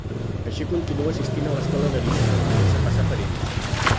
Així continua assistint a l'escola d'Arisa, fent-se passar per ella.